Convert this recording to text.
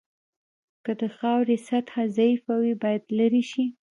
که د خاورې سطحه ضعیفه وي باید لرې شي